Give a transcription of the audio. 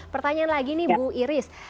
pertanyaan lagi nih bu iris